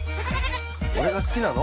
俺が好きなの？